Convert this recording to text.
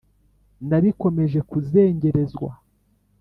Nabikomeje kuzengerezwa,